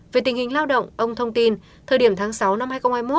về tình hình lao động ông thông tin thời điểm tháng sáu năm hai nghìn hai mươi một